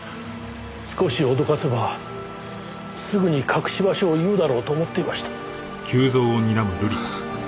少し脅かせばすぐに隠し場所を言うだろうと思っていました。